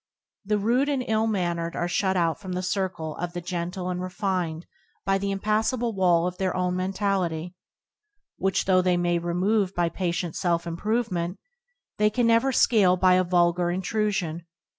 The rude and ill mannered are shut out from the circle of the gentle and refined by the impassable wall of their own mentality which, though they may remove by patient self improvement, they can never scale by a vulgar intrusion.